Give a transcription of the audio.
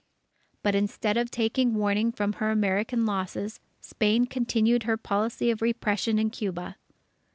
But instead of taking warning from her American losses, Spain continued her policy of repression in Cuba.